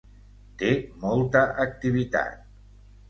Té molta activitat.